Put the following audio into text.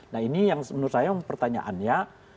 nah ini yang menurut saya pertanyaannya